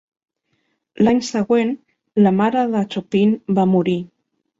L'any següent, la mare de Chopin va morir.